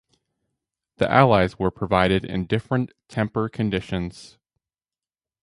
The alloys were provided in different temper conditions.